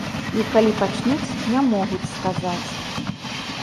І калі пачнуць, не могуць сказаць.